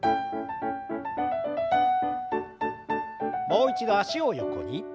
もう一度脚を横に。